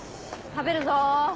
食べるぞ！